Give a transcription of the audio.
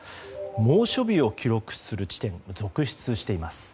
猛暑日を記録する地点が続出しています。